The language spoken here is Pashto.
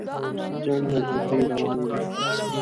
جنګ او جګړې روانې وې.